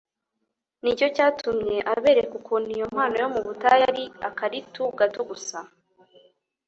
ni cyo cyatumye abereka ukuntu iyo mpano yo mu butayu ari akaritu gato gusa